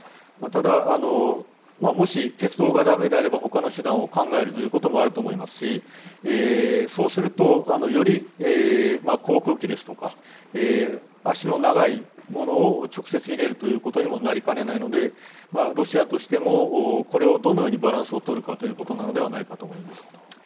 ただ、もし鉄道がだめであれば他の手段を考えることもあると思いますしそうすると、航空機ですとか足の長いものを直接、入れるということにもなりかねないのでロシアとしてもこれをどのようにバランスをとるかということではないかと思います。